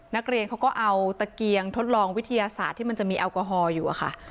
นักเรียนเขาก็เอาตะเกียงทดลองวิทยาศาสตร์ที่มันจะมีแอลกอฮอลอยู่อะค่ะ